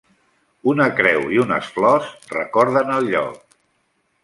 Una creu i unes flors recorden el lloc.